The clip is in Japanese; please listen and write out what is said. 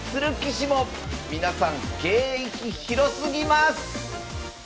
皆さん芸域広すぎます！